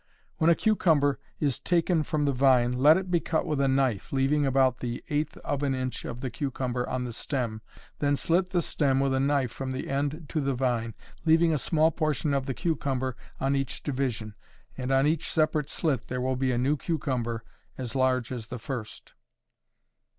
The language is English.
_ When a cucumber is taken from the vine let it be cut with a knife, leaving about the eighth of an inch of the cucumber on the stem, then slit the stem with a knife from the end to the vine, leaving a small portion of the cucumber on each division, and on each separate slit there will be a new cucumber as large as the first.